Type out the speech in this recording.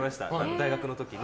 大学の時に。